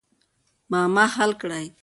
معما حل کړئ.